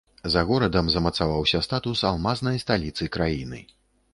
За горадам замацаваўся статус алмазнай сталіцы краіны.